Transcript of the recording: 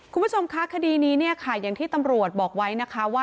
คุณผู้ชมคะคดีนี้เนี่ยค่ะอย่างที่ตำรวจบอกไว้นะคะว่า